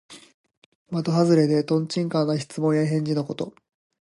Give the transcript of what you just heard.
まとはずれで、とんちんかんな質問や返事のこと。